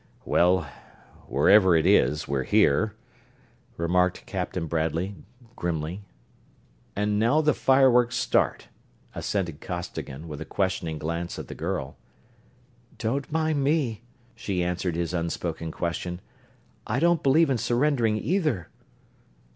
"Well, wherever it is, we're here," remarked Captain Bradley, grimly. "And now the fireworks start," assented Costigan, with a questioning glance at the girl. "Don't mind me," she answered his unspoken question. "I don't believe in surrendering, either."